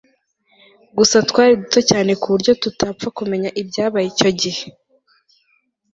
gusa twari duto cyane kuburyo tutapfa kumenya ibyabaye icyo gihe